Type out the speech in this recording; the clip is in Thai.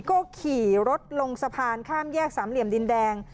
ก็ขี่รถลงสะพานข้ามแยกสามเหลี่ยมดินแดง